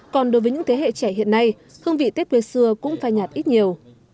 còn đối với những thế hệ trẻ hiện nay hương vị tết quê xưa cũng phai nhạt ít nhiều